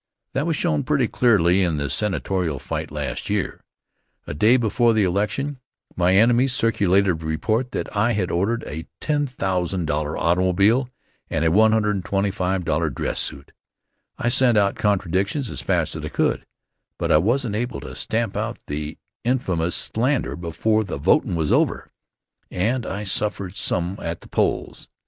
That was shown pretty clearly in the senatorial fight last year. A day before the election, my enemies circulated a report that I had ordered a $10,000 automobile and a $125 dress suit. I sent out contradictions as fast as I could, but I wasn't able to stamp out the infamous slander before the votin' was over, and I suffered some at the polls.